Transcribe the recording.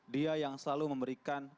dia yang selalu memberikan